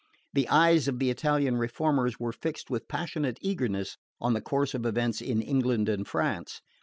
The eyes of the Italian reformers were fixed with passionate eagerness on the course of events in England and France.